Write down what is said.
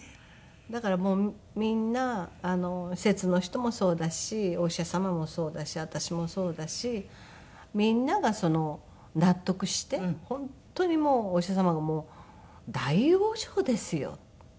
だからもうみんな施設の人もそうだしお医者様もそうだし私もそうだしみんなが納得して本当にお医者様が「大往生ですよ」。